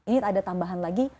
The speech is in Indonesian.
ini ada tambahan lagi